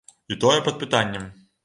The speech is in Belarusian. І тое пад пытаннем.